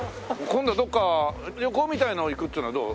今度どっか旅行みたいなの行くっていうのはどう？